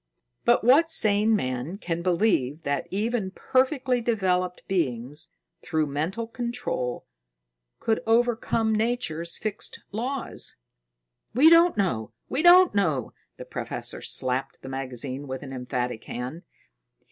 "But what sane man can believe that even perfectly developed beings, through mental control, could overcome Nature's fixed laws?" "We don't know! We don't know!" The professor slapped the magazine with an emphatic hand.